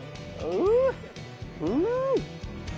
うん！